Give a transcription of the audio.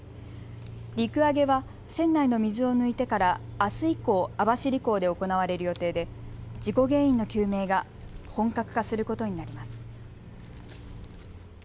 陸揚げは船内の水を抜いてからあす以降、網走港で行われる予定で事故原因の究明が本格化することになります。